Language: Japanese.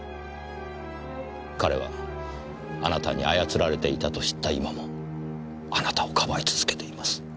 彼はあなたに操られていたと知った今もあなたをかばい続けています。